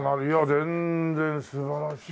全然素晴らしいです。